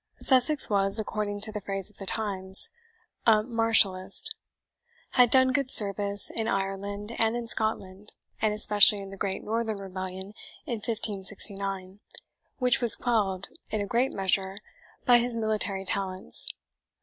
Sussex was, according to the phrase of the times, a martialist had done good service in Ireland and in Scotland, and especially in the great northern rebellion, in 1569, which was quelled, in a great measure, by his military talents.